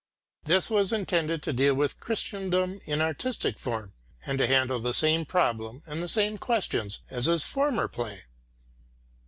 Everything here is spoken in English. This was intended to deal with Christendom in artistic form, and to handle the same problem and the same questions as his former play.